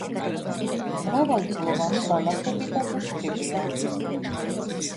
მრავალწლოვანი ბალახები და ბუჩქებია.